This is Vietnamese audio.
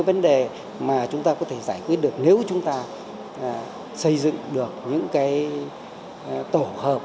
vậy chúng ta có thể giải quyết được nếu chúng ta xây dựng được những tổ hợp